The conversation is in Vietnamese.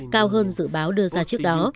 cao hơn dự báo đưa ra trước đó